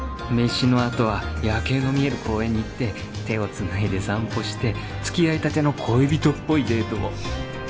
飯のあとは夜景の見える公園に行って手をつないで散歩してつきあいたての恋人っぽいデートを